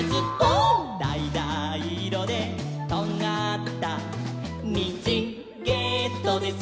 「だいだいいろでとんがった」「にんじんゲットです！」